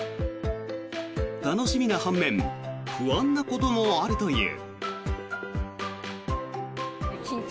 楽しみな半面不安なこともあるという。